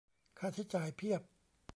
ค่าใช้จ่ายเพียบ